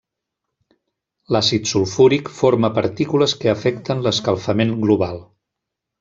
L'àcid sulfúric forma partícules que afecten l'escalfament global.